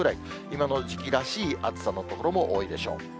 今の時期らしい暑さの所も多いでしょう。